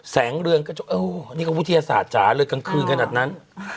แสงเรืองก็จะเออนี่ก็วิทยาศาสตร์จ๋าเลยกลางคืนขนาดนั้น